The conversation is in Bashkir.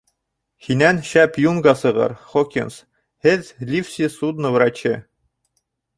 Һинән шәп юнга сығыр, Хокинс... һеҙ, Ливси, судно врачы.